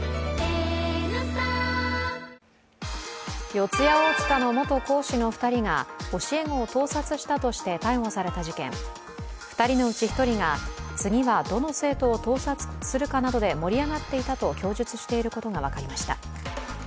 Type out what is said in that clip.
四谷大塚の元講師の２人が教え子を盗撮したとして逮捕された事件２人のうち１人が次はどの生徒を盗撮するかなどで盛り上がっていたと供述していることが分かりました。